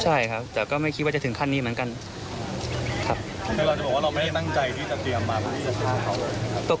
ใช่ครับแต่ก็ไม่คิดว่าจะถึงขั้นนี้เหมือนกันครับเราจะบอกว่าเราไม่ได้นั่งใจที่จะเตรียมมา